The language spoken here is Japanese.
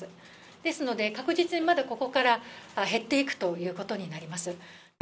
ですので、確実にまだここから減っていくということになります。